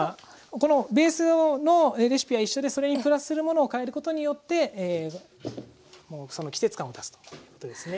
このベースのレシピは一緒でそれにプラスするものを変えることによってその季節感を出すということですね。